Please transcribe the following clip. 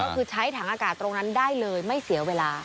ก็คือใช้ถังอากาศตรงนั้นได้เลยไม่เสียเวลา